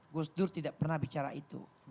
gus dur tidak pernah bicara itu